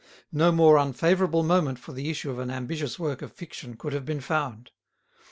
No more unfavourable moment for the issue of an ambitious work of fiction could have been found.